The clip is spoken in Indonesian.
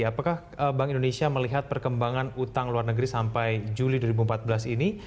apakah bank indonesia melihat perkembangan utang luar negeri sampai juli dua ribu empat belas ini